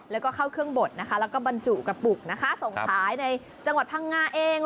แล้วก็เข้าเครื่องบดนะคะแล้วก็บรรจุกระปุกนะคะส่งขายในจังหวัดพังงาเอง